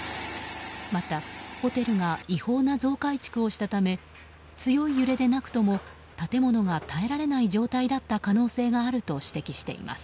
また、ホテルが違法な増改築をしたため強い揺れでなくても建物が耐えられない状態だった可能性があると指摘しています。